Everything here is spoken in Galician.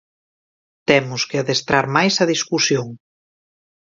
Temos que adestrar máis a discusión.